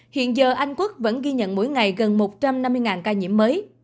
hiện giờ anh quốc vẫn ghi nhận mỗi ngày gần một trăm năm mươi ca nhiễm mới